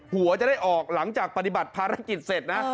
หัวจะได้ออกหลังจากปฏิบัติภารกิจเสร็จนะ